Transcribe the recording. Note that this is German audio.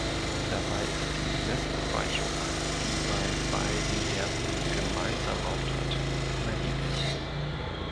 Dabei ist die Messabweichung, die bei beiden Werten "gemeinsam" auftritt, unerheblich.